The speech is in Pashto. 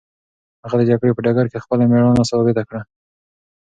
هغه د جګړې په ډګر کې خپله مېړانه ثابته کړه.